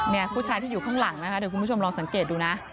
นี่ผู้ชายที่อยู่ข้างหลังนะคะเดี๋ยวคุณผู้ชมลองสังเกตดูนะ